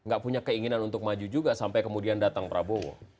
gak punya keinginan untuk maju juga sampai kemudian datang prabowo